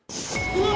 うわ！